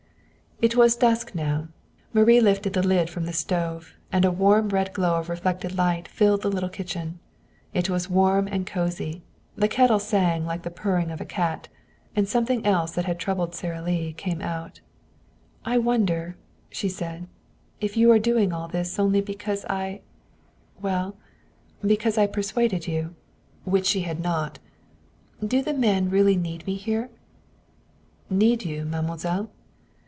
It was dusk now. Marie lifted the lid from the stove, and a warm red glow of reflected light filled the little kitchen. It was warm and cozy; the kettle sang like the purring of a cat. And something else that had troubled Sara Lee came out. "I wonder," she said, "if you are doing all this only because I well, because I persuaded you." Which she had not. "Do the men really need me here?" "Need you, mademoiselle?"